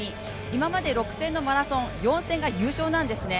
今まで６戦のマラソン４戦が優勝なんですね。